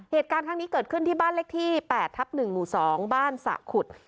เหตุการณ์ครั้งนี้เกิดขึ้นที่บ้านเลขที่๘ทับ๑หมู่๒บ้านสะขุด